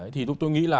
thì tôi nghĩ là